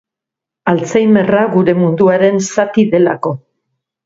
Alzheimerra gure munduaren zati delako.